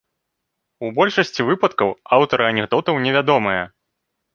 У большасці выпадкаў аўтары анекдотаў невядомыя.